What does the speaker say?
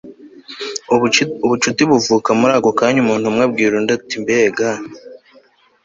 ubucuti buvuka muri ako kanya umuntu umwe abwira undi ati mbega